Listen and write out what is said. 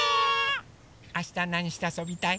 あしたなにしてあそびたい？